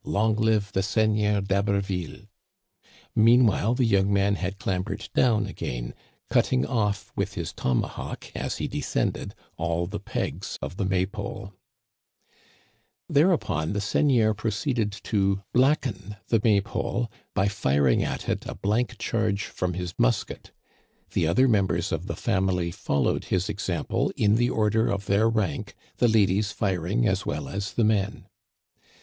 Long live the Seigneur d'Haberville !" Meanwhile the young man had clambered down again, cutting off with his tomahawk as he descended all the pegs of the May pole. Digitized by VjOOQIC THE MAY FEAST, i ig Thereupon the seigneur proceeded to blacken the May pole by firing at it a blank charge from his musket. The other members of the family followed his example in the order of their rank, the ladies firing as well as the men.